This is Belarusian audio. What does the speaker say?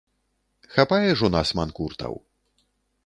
Хапае ж у нас манкуртаў.